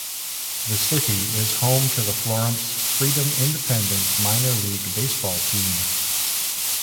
The city is home to the Florence Freedom independent minor league baseball team.